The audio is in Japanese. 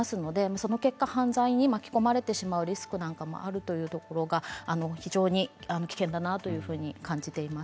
その結果犯罪に巻き込まれるリスクもあるということが非常に危険だなと思います。